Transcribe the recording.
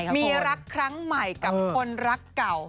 มีรักครั้งใหม่กับคนรักเก่า